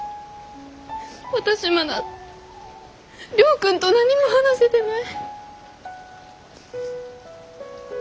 私まだ亮君と何も話せてない。